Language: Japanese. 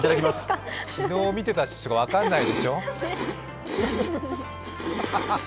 昨日見てた人しか分からないでしょ。